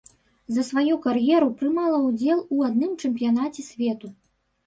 За сваю кар'еру прымала ўдзел у адным чэмпіянаце свету.